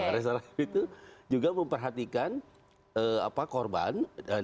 restoratif itu juga memperhatikan korban